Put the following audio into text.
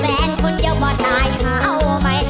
แฟนคนเดียวบ่ตายหาเอาไหม